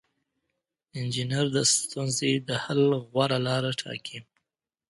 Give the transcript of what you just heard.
انجینر د ستونزې د حل غوره لاره ټاکي.